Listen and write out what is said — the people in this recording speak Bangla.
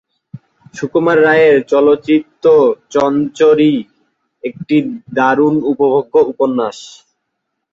সুকুমার রায়ের চলচ্চিত্তচঞ্চরী একটা দারুণ উপভোগ্য উপন্যাস।